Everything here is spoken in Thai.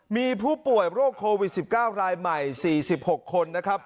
มีผู้ป่วยโรคโควิด๑๙รายใหม่๔๖คนนะครับ